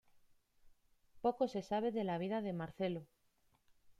Poco se sabe de la vida de Marcelo.